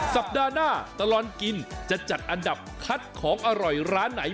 สัปดาห์หน้าตลอดกินจะจัดอันดับคัดของอร่อยร้านไหน